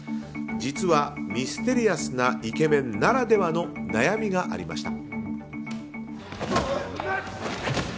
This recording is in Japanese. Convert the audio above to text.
実は、ミステリアスなイケメンならではの悩みがありました。